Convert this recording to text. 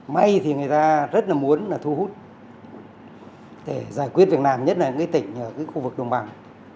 may thì người ta rất là muốn là thu hút để giải quyết việt nam nhất là những cái tỉnh ở cái khu vực đồng bằng